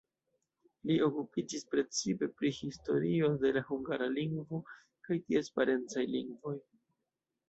Li okupiĝis precipe pri historio de la hungara lingvo kaj ties parencaj lingvoj.